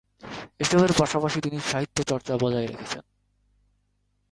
এসবের পাশাপাশি তিনি সাহিত্যচর্চা বজায় রেখেছেন।